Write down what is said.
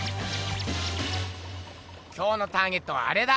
今日のターゲットはアレだ。